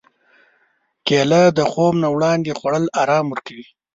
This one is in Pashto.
کېله د خوب نه وړاندې خوړل ارام ورکوي.